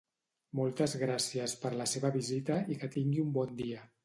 Moltes gràcies per la seva visita i que tingui un bon dia